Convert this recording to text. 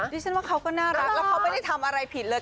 ดิฉันว่าเขาก็น่ารักแล้วเขาไม่ได้ทำอะไรผิดเลย